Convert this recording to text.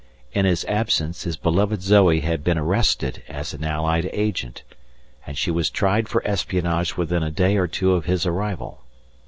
In his absence, his beloved Zoe had been arrested as an Allied Agent, and she was tried for espionage within a day or two of his arrival.